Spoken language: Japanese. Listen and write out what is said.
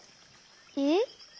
えっ？